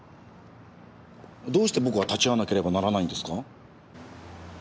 どうして僕が立ち会わなければならないんですか？